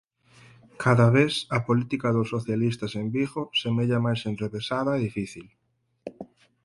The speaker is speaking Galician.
Cada vez a política dos socialistas en Vigo semella máis enrevesada e difícil.